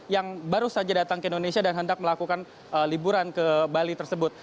yang baru saja datang ke indonesia dan hendak melakukan liburan ke bali tersebut